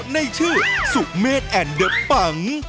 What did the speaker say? ในชื่อสุเมฆเดอะปัง